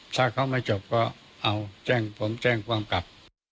ถ้าเขาไม่จบก็เอาแจ้งผมแจ้งความกลับ